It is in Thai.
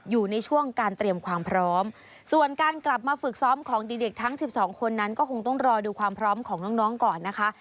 อยู่ในช่วงการเตรียมความพร้อมส่วนการกลับมาฝึกซ้อมของดีเด็กทั้ง๑๒คนนั้นก็คงต้องรอดูความพร้อมของน้องก่อนนะคะ